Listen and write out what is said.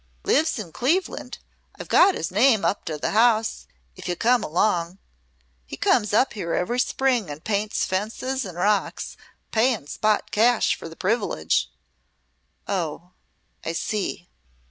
"Lives in Cleveland. I've got his name up t' th' house, if you'll come along. He comes up here every spring and paints fences an' rocks, payin' spot cash fer th' privilege." "Oh, I see."